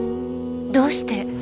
どうして。